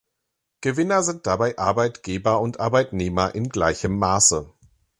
Gewinner sind dabei Arbeitgeber und Arbeitnehmer in gleichem Maße.